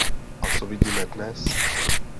A co vidíme dnes?